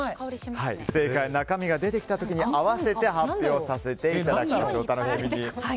正解は中身が出てきた時に合わせて発表させていただきます。